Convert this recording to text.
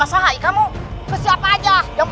ada apa kiaman